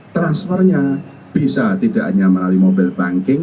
transfer nya bisa tidak hanya melalui mobil banking